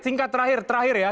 singkat terakhir ya